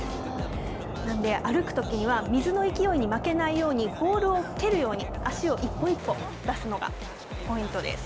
なんで、歩くときには水の勢いに負けないように、ボールを蹴るように、足を一歩一歩出すのがポイントです。